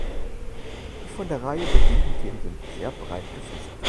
Die von der Reihe bedienten Themen sind sehr breit gefächert.